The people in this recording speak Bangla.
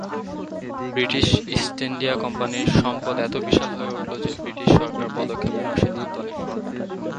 ব্রিটিশ ইস্ট ইন্ডিয়া কোম্পানির সম্পদ এত বিশাল হয়ে উঠল যে ব্রিটিশ সরকার পদক্ষেপ নেওয়ার সিদ্ধান্ত নেয়।